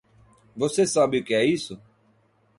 Você sabe o que é isso?